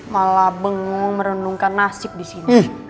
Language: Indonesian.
malah bengong merenungkan nasib disini